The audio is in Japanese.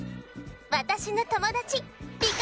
わたしのともだちりか